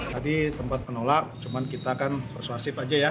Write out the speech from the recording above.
tadi tempat menolak cuman kita akan persuasif aja ya